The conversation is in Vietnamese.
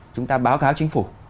chúng ta báo cáo chính phủ